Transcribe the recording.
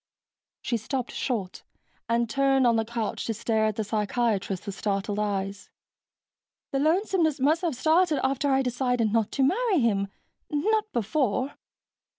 She stopped short, and turned on the couch to stare at the psychiatrist with startled eyes. "But that can't be how it was," she said. "The lonesomeness must have started after I decided not to marry him, not before."